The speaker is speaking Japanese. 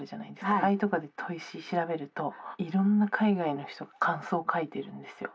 ああいうとこで砥石調べるといろんな海外の人が感想書いてるんですよ。